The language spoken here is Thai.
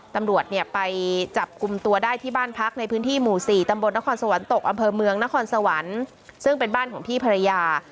ตำรวจเนี่ยไปจับกลุ่มตัวได้ที่บ้านพักในพื้นที่หมู่๔ตำบลนครสวรรค์ตกอำเภอเมืองนครสวรรค์ซึ่งเป็นบ้านของพี่ภรรยา